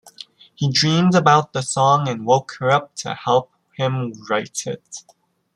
He dreamed about the song and woke her up to help him write it.